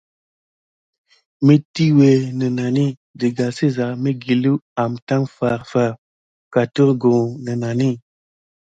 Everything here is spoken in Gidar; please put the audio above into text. Mitiwé nenani dəga səza migueliw amtaŋ farfar, katerguh nənani.